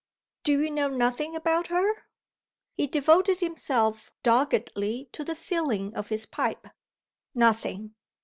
"Do you know nothing about her?" He devoted himself doggedly to the filling of his pipe. "Nothing."